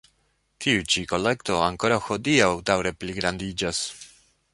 Tiu ĉi kolekto ankoraŭ hodiaŭ daŭre pligrandiĝas.